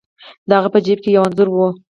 د هغه په جیب کې یو انځور و.